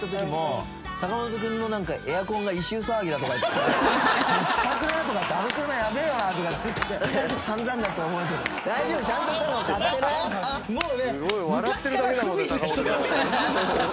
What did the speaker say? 「もうね」